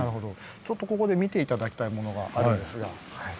ちょっとここで見て頂きたいものがあるんですが。